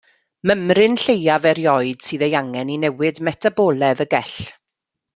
Mymryn lleiaf erioed sydd ei angen i newid metaboledd y gell.